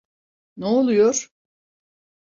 N'oluyor?